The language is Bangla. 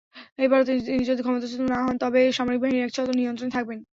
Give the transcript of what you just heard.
এবারও তিনি যদি ক্ষমতাচ্যুত না-ও হন, তবে সামরিক বাহিনীর একচ্ছত্র নিয়ন্ত্রণে থাকবেন।